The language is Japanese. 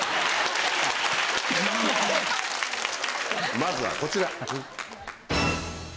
まずはこちら。